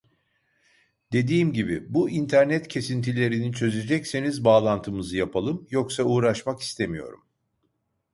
Dediğim gibi bu internet kesintilerini çözecekseniz bağlantımızı yapalım yoksa uğraşmak istemiyorum